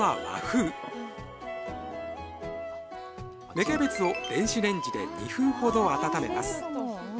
芽キャベツを電子レンジで２分ほど温めます。